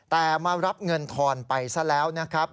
แต่มารับเงินทอนไปซะแล้วนะครับ